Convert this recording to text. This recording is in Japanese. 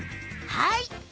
はい！